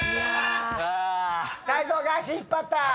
泰造が足引っ張った。